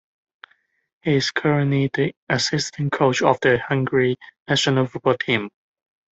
He is currently the assistant coach of the Hungary national football team.